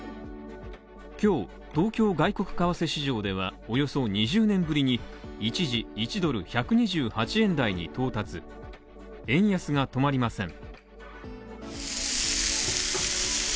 今日、東京外国為替市場では、およそ２０年ぶりに一時１ドル１２８円台に到達、円安が止まりません。